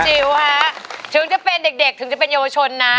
จิ๋วฮะถึงจะเป็นเด็กถึงจะเป็นเยาวชนนะ